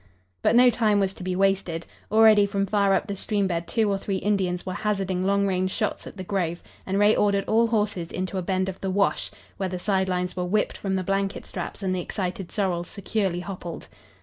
But no time was to be wasted. Already from far up the stream bed two or three Indians were hazarding long range shots at the grove, and Ray ordered all horses into a bend of the "wash," where the side lines were whipped from the blanket straps and the excited sorrels securely hoppled.